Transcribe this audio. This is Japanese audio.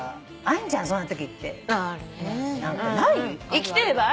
生きてればある。